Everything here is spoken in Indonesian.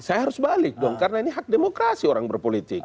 saya harus balik dong karena ini hak demokrasi orang berpolitik